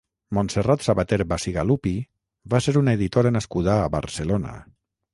Montserrat Sabater Bacigalupi va ser una editora nascuda a Barcelona.